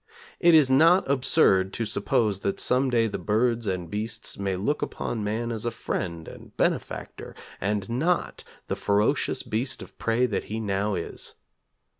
It is not absurd to suppose that someday the birds and beasts may look upon man as a friend and benefactor, and not the ferocious beast of prey that he now is.